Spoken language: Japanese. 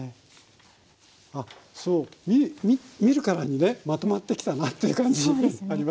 あっ見るからにねまとまってきたなという感じありますよね。